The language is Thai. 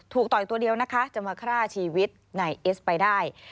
ต่อยตัวเดียวนะคะจะมาฆ่าชีวิตนายเอสไปได้